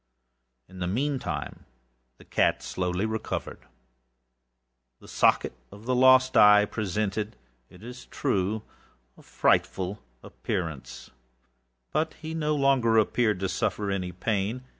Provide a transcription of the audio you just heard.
In the meantime the cat slowly recovered. The socket of the lost eye presented, it is true, a frightful appearance, but he no longer appeared to suffer any pain.